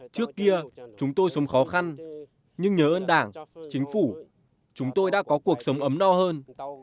trước kia chúng tôi sống khó khăn nhưng nhớ ơn đảng chính phủ chúng tôi đã có cuộc sống ấm no hơn